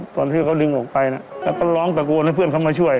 ตอนที่เขาดึงออกไปนะแล้วก็ร้องตะโกนให้เพื่อนเขามาช่วย